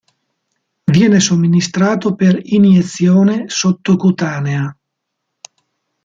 Viene somministrato per iniezione sottocutanea.